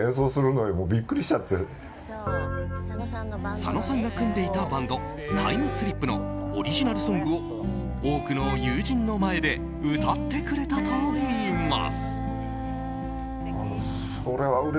佐野さんが組んでいたバンドタイムスリップのオリジナルソングを多くの友人の前で歌ってくれたといいます。